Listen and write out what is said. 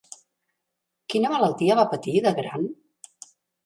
Quina malaltia va patir de gran?